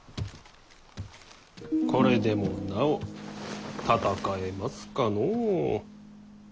これでもなお戦えますかのう。